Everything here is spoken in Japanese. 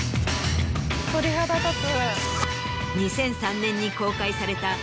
鳥肌立つ。